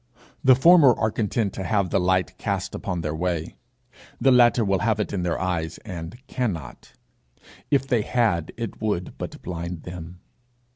The former are content to have the light cast upon their way; the latter will have it in their eyes, and cannot: if they had, it would but blind them.